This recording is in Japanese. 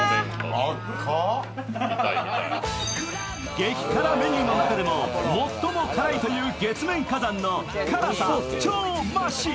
激辛メニューの中でも最も辛いという月麺火山の辛さ超益。